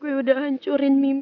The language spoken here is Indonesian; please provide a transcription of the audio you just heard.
mauos itu pasti kayak tetep terbaik